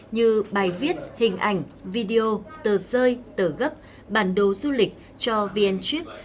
như bài viết hình ảnh video tờ rơi tờ gấp bản đồ du lịch cho vn chip